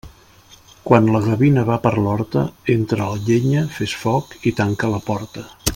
Quan la gavina va per l'horta, entra la llenya, fes foc i tanca la porta.